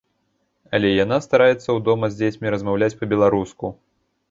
Але і яна стараецца ў дома з дзецьмі размаўляць па-беларуску.